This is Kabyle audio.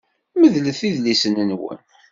Medlet idlisen-nwen!